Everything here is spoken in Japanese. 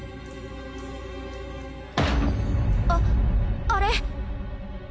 あっあれ。